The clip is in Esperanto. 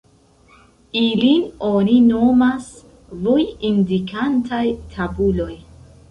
Ilin oni nomas voj-indikantaj tabuloj.